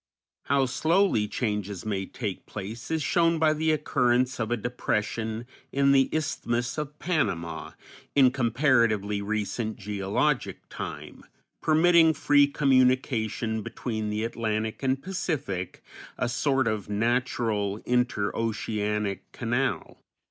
How slowly changes may take place is shown by the occurrence of a depression in the Isthmus of Panama, in comparatively recent geologic time, permitting free communication between the Atlantic and Pacific, a sort of natural inter oceanic canal.